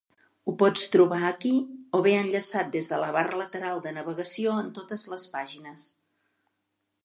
Ho pots trobar aquí, o bé enllaçat des de la barra lateral de navegació en totes les pàgines.